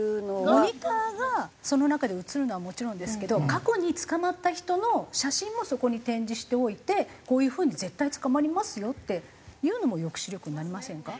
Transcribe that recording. モニターがその中で映るのはもちろんですけど過去に捕まった人の写真もそこに展示しておいてこういう風に絶対捕まりますよっていうのも抑止力になりませんか？